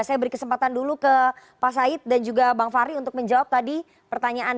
saya beri kesempatan dulu ke pak said dan juga bang fahri untuk menjawab tadi pertanyaan